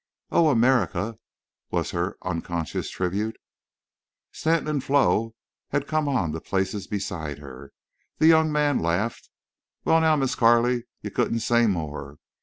"Oh!—America!" was her unconscious tribute. Stanton and Flo had come on to places beside her. The young man laughed. "Wal, now Miss Carley, you couldn't say more.